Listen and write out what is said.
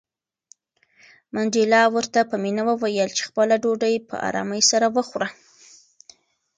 منډېلا ورته په مینه وویل چې خپله ډوډۍ په آرامۍ سره وخوره.